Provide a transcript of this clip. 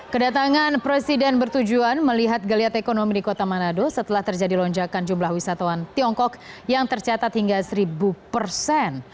kedatangan presiden bertujuan melihat geliat ekonomi di kota manado setelah terjadi lonjakan jumlah wisatawan tiongkok yang tercatat hingga seribu persen